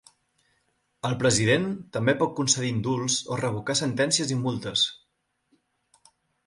El president també pot concedir indults o revocar sentències i multes.